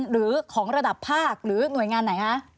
หรือของระดับภาคหรือหน่วยงานไหนคะ